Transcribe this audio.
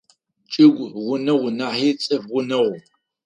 Чӏыгу гъунэгъу нахьи цӏыф гъунэгъу.